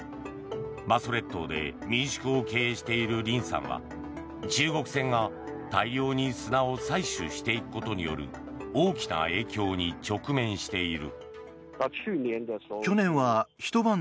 馬祖列島で民宿を経営しているリンさんは中国船が大量に砂を採取していくことによる大きな影響に直面している。